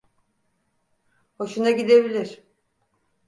Hoşuna gidebilir.